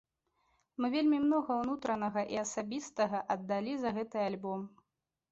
Мы вельмі многа ўнутранага і асабістага аддалі за гэты альбом.